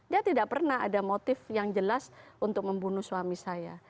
dia tidak pernah ada motif yang jelas untuk membunuh suami saya